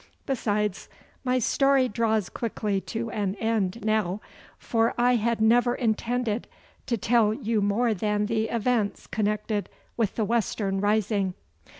Besides, my story draws quickly to an end now, for I had never intended to tell you more than the events connected with the Western rising.